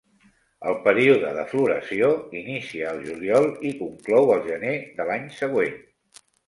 El període de floració inicia al juliol i conclou al gener de l'any següent.